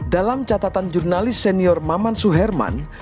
dalam catatan jurnalis senior maman suherman